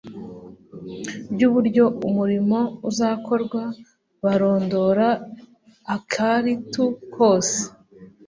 by'uburyo umurimo uzakorwa- barondora akaritu kose,